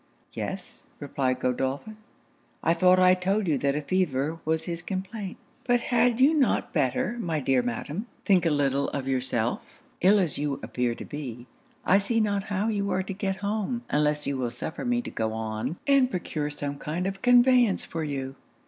'Yes,' replied Godolphin 'I thought I told you that a fever was his complaint. But had you not better, my dear Madam, think a little of yourself! Ill as you appear to be, I see not how you are to get home unless you will suffer me to go on and procure some kind of conveyance for you.'